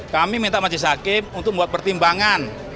kami minta majelis hakim untuk membuat pertimbangan